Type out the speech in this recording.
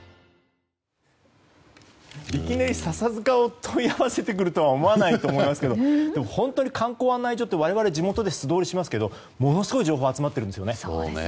いきなり笹塚を問い合わせてくるとは思わないと思いますがでも、本当に観光案内所って我々、地元では素通りしますけどものすごい情報が集まってるんですよね。